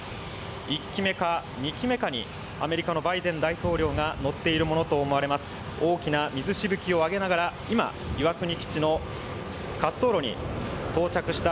１機目か２機目にアメリカのバイデン大統領が乗っているものと思われます、大きな水しぶきを上げながら今、岩国基地の滑走路に到着した